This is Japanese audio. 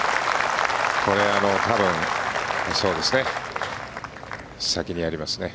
これ、多分そうですね、先にやりますね。